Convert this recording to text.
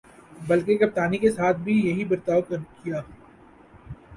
بلکہ کپتانی کے ساتھ بھی یہی برتاؤ کیا۔